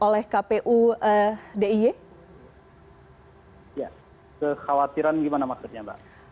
kekhawatiran bagaimana maksudnya mbak